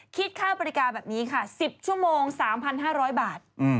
คิดค่าบริการแบบนี้ค่ะ๑๐ชั่วโมง๓๕๐๐บาท